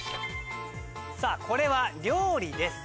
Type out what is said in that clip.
これは料理です。